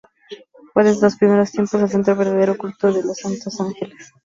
Fue desde los primeros tiempos el centro del verdadero culto de los santos ángeles.